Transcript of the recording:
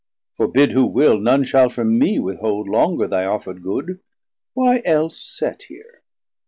Forbid who will, none shall from me withhold Longer thy offerd good, why else set here?